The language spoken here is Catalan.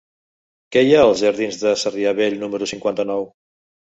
Què hi ha als jardins de Sarrià Vell número cinquanta-nou?